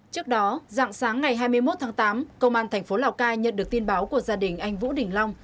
trước đó dạng sáng ngày hai mươi một tháng tám công an thành phố lào cai nhận được tin báo của gia đình anh vũ đình long